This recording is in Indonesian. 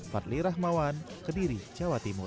fadli rahmawan kediri jawa timur